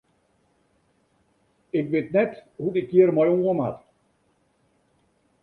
Ik wit net hoe't ik hjir mei oan moat.